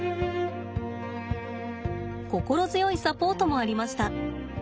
心強いサポートもありました。